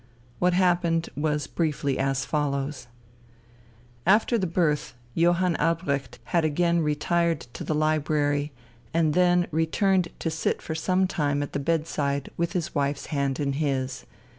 What happened was briefly as follows: After the birth Johann Albrecht had again retired to the library, and then returned to sit for some time at the bedside with his wife's hand in his.